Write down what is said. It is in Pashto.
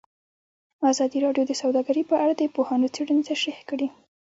ازادي راډیو د سوداګري په اړه د پوهانو څېړنې تشریح کړې.